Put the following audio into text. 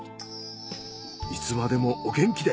いつまでもお元気で！